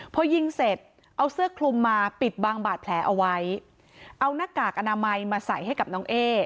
พอยิงเสร็จเอาเสื้อคลุมมาปิดบางบาดแผลเอาไว้เอาหน้ากากอนามัยมาใส่ให้กับน้องเอ๊